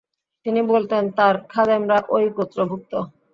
তিনি বলতেন, তার খাদেমরা ঐ গোত্রভুক্ত।